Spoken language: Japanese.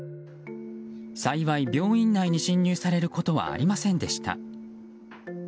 幸い病院内に侵入されることはありませんでした。